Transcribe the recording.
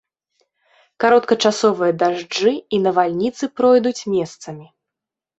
Кароткачасовыя дажджы і навальніцы пройдуць месцамі.